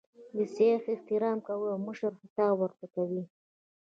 د سیاح احترام کوي او د مشر خطاب ورته کوي.